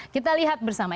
kita lihat bersama